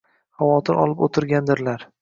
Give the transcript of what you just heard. Xavotir olib o`tirgandirlar